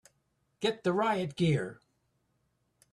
Get the riot gear!